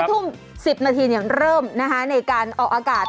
๕ทุ่ม๑๐นาทีอย่างเริ่มนะคะในการออกอากาศ